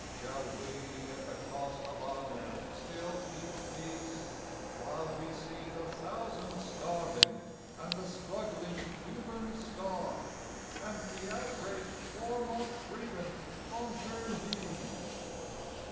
Shall we, at the cost of honor, still keep peace? While we see the thousands starving and the struggling Cuban star, And the outraged form of Freedom on her knees!